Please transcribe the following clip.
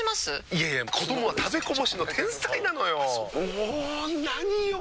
いやいや子どもは食べこぼしの天才なのよ。も何よ